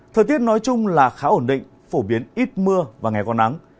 thời tiết nói chung là khá ổn định phổ biến ít mưa và ngày có nắng